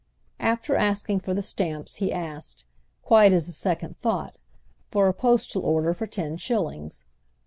After asking for the stamps he asked, quite as a second thought, for a postal order for ten shillings.